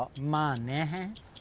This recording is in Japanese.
まあね。